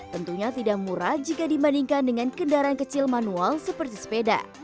tentunya tidak murah jika dibandingkan dengan kendaraan kecil manual seperti sepeda